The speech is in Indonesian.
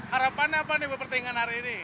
harapan apa nih bapak pertandingan